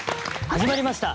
始まりました。